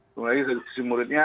sebelum lagi dari sisi muridnya